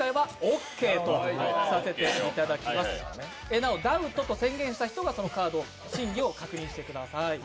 なお、ダウトと宣言した人がそのカードの真偽を判断してください。